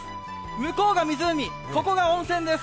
向こうが湖、ここが温泉です。